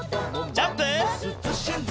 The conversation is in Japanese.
ジャンプ！